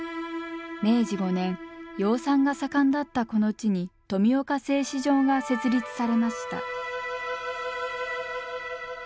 明治５年養蚕が盛んだったこの地に富岡製糸場が設立されました。